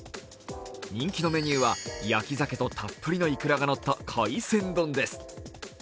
人気のメニューは焼き鮭とたっぷりのいくらが乗った海鮮丼です。